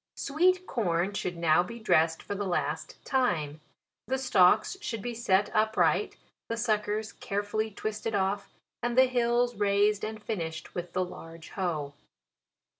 SWEET CORN 3 hould now be dressed for the last time. The atalks should be set upright, the suckers care 152 JULY* fully l visted off, and the hills raised and fin ished with the large hoe.